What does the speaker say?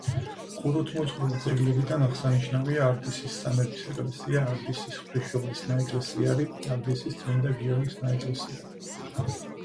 ხუროთმოძღვრული ძეგლებიდან აღსანიშნავია: არდისის სამების ეკლესია, არდისის ღვთისმშობლის ნაეკლესიარი, არდისის წმინდა გიორგის ნაეკლესიარი.